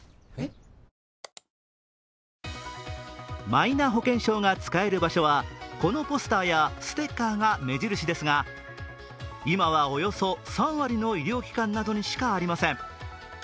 マイナ保険証が使える場所はこのポスターやステッカーが目印ですが今は、およそ３割の医療機関などにしかありません。